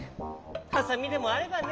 ハサミでもあればね。